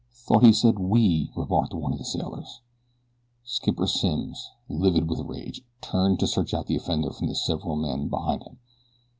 "Thought he said 'we'," remarked one of the sailors. Skipper Simms, livid with rage, turned to search out the offender from the several men behind him.